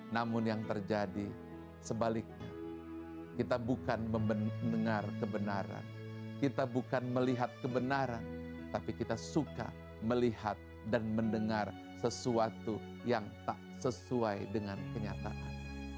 namun yang terjadi sebaliknya kita bukan mendengar kebenaran kita bukan melihat kebenaran tapi kita suka melihat dan mendengar sesuatu yang tak sesuai dengan kenyataan